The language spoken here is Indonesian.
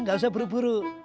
gak usah buru buru